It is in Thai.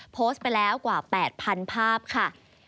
โพสต์ไปแล้วกว่า๘๐๐๐ภาพค่ะ